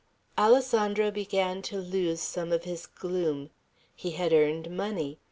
Alessandro began to lose some of his gloom. He had earned money.